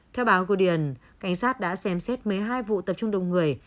theo báo guardian cảnh sát đã xem xét một mươi hai vụ tập trung đồng người